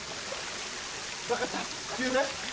分かった言うね。